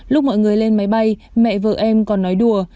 lúc mọi người lên máy bay mẹ vợ em còn nói đùa